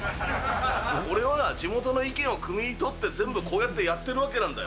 俺は地元の意見をくみ取って全部こうやってやってるわけなんだよ。